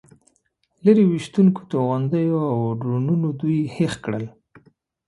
لرې ویشتونکو توغندیو او ډرونونو دوی هېښ کړل.